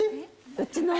うちの夫。